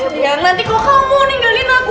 biar nanti kok kamu ninggalin aku